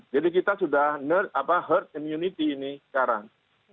jadi kita sudah herd immunity ini sekarang